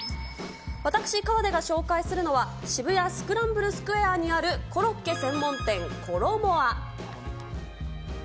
私、河出が紹介するのは、渋谷スクランブルスクエアにあるコロッケ専門店、コロモア。